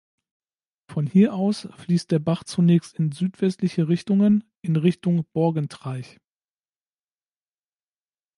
Von hier aus fließt der Bach zunächst in südwestliche Richtungen in Richtung Borgentreich.